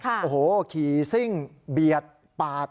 โอ้โหขี่ซิ่งเบียดปาด